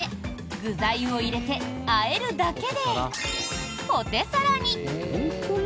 レンジでチンして、具材を入れてあえるだけで、ポテサラに！